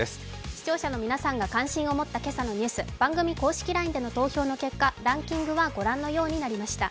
視聴者の皆さんが関心を持った今朝のニュース、番組公式ラインでの投票の結果、ランキングはご覧のようになりました。